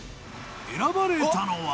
選ばれたのは。